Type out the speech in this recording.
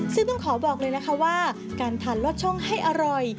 ซึ่งต้องขอบอกเลยนะคะว่าการทานลอดช่องให้อร่อย